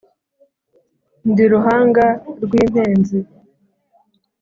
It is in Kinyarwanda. ndi ruhanga rw'impenzi